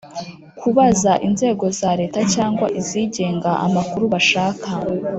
kubaza inzego za Leta cyangwa izigenga amakuru bashaka.